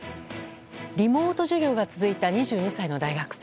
リモート授業が続いた２２歳の大学生。